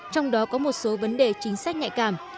trong đó có một số vấn đề chính sách nhạy cảm